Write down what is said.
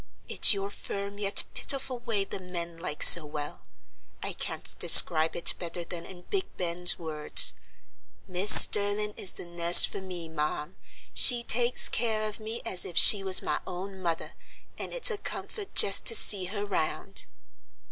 "It's your firm yet pitiful way the men like so well. I can't describe it better than in big Ben's words: 'Mis Sterlin' is the nuss for me, marm. She takes care of me as ef she was my own mother, and it's a comfort jest to see her round.